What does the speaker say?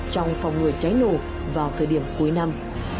trong phòng ngừa cháy nổ vào thời điểm cuối năm